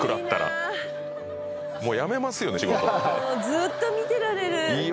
ずっと見てられる。